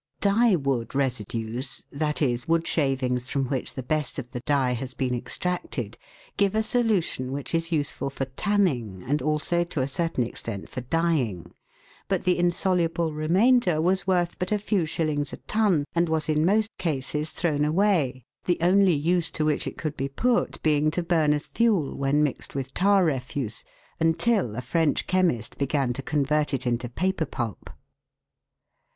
Dye wood residues that is, wood shavings from which the best of the dye has been extracted give a solution which is useful for tanning and also to a certain extent for dyeing ; but the insoluble remainder was worth but a few shillings a ton, and was in most cases thrown away the only use to which it could be put being to burn as fuel when mixed with tar refuse until a French chemist began to convert it into paper pulp.